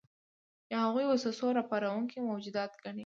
یا هغوی وسوسه راپاروونکي موجودات ګڼي.